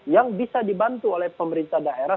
yang bisa dibantu oleh pemerintah daerah